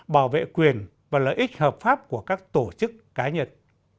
bảo vệ quyền và lợi ích hợp pháp của các tổ chức cá nhân